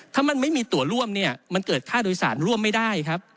ถ้ามันไม่มีตัวร่วมเนี่ยมันเกิดค่าโดยสารร่วมไม่ได้ครับ